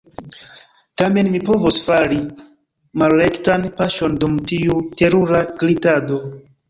Tamen, mi povos fari malrektan paŝon dum tiu terura glitado.